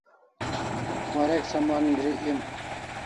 Warek saman gri em